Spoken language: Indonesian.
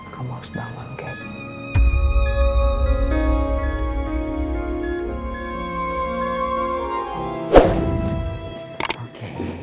kamu harus bangun kek